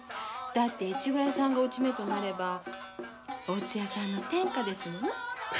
越後屋さんが落ち目となれば大津屋さんの天下ですもの。